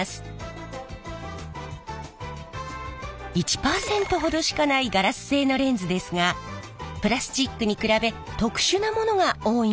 １％ほどしかないガラス製のレンズですがプラスチックに比べ特殊なものが多いんです。